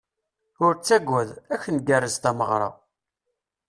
Ur ttagad, ad ak-ngerrez tameɣra.